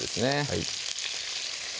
はい